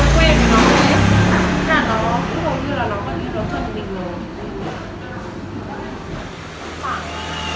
nó cũng hầu như là nó có thể đối tượng với mình rồi